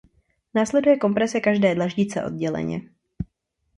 Následuje komprese každé dlaždice odděleně.